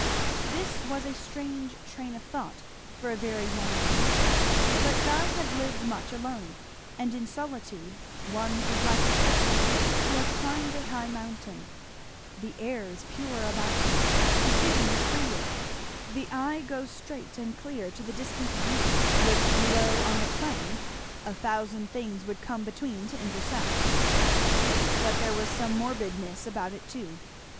This was a strange train of thought for a very young man, but Guy had lived much alone, and in solitude one is like a person who has climbed a high mountain; the air is purer about him, his vision is freer; the eye goes straight and clear to the distant view which below on the plain a thousand things would come between to intercept. But there was some morbidness about it too.